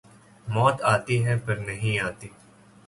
موت آتی ہے پر نہیں آتی